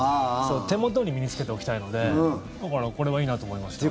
手元に身に着けておきたいのでだからこれはいいなと思いました。